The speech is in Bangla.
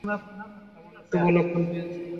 আমরাও শুভ লক্ষণ পেয়েছি।